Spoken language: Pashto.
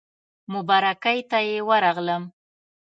مبارکۍ ته یې ورغلم.